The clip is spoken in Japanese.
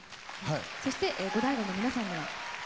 そしてゴダイゴの皆さんには。